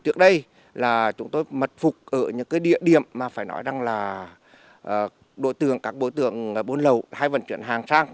trước đây là chúng tôi mật phục ở những địa điểm mà phải nói rằng là đối tượng các đối tượng buôn lậu hay vận chuyển hàng sang